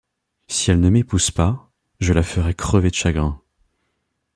Si elle ne m’épouse pas, je la ferai crever de chagrin.